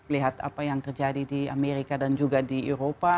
lihat apa yang terjadi di amerika dan juga di eropa